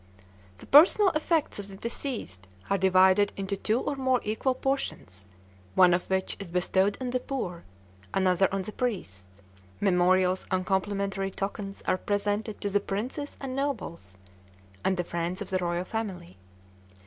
The personal effects of the deceased are divided into two or more equal portions, one of which is bestowed on the poor, another on the priests; memorials and complimentary tokens are presented to the princes and nobles, and the friends of the royal family.